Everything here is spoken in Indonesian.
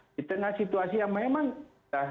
di tengah situasi yang memang